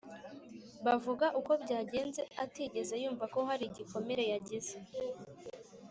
bavuga uko byagenze atigeze yumva ko hari igikomere yagize